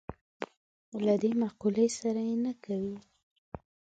له دې مقولې سره یې نه کوي.